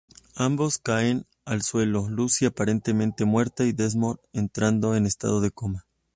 Ambos caen al suelo, Lucy, aparentemente muerta y Desmond entrando en estado de coma.